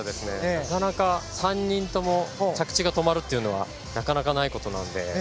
なかなか３人とも着地が止まるというのはなかなかないことなので。